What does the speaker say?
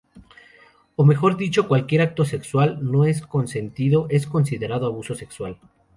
O mejor dicho cualquier acto sexual no consentido es considerado abuso sexual.